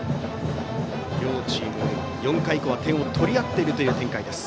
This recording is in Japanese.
両チーム、４回以降は点を取り合っているという展開です。